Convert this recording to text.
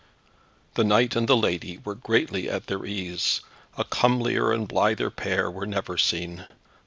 The knight and the lady were greatly at their ease; a comelier and a blither pair were never seen.